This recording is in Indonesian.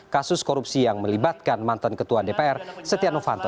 kasus korupsi yang melibatkan mantan ketua dpr setia novanto